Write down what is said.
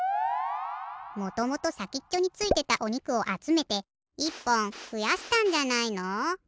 もともとさきっちょについてたおにくをあつめて１ぽんふやしたんじゃないの？